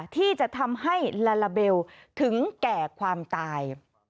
ที่จะทำให้ลาลาเบลถึงแก่ความตาย